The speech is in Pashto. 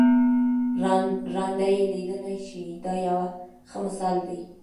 ړانده یې لیدلای شي دا یو ښه مثال دی.